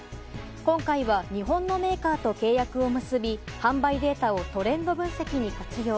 今回は日本のメーカーと契約を結び販売データをトレンド分析に活用。